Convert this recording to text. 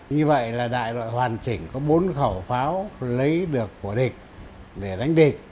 như vậy là đại đội hoàn chỉnh có bốn khẩu pháo lấy được của địch để đánh địch